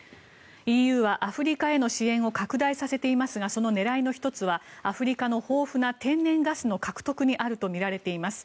ＥＵはアフリカへの支援を拡大させていますがその狙いの１つはアフリカの豊富な天然ガスの獲得にあるとみられています。